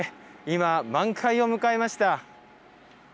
今、満開を迎えました。